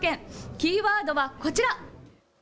キーワードはこちら。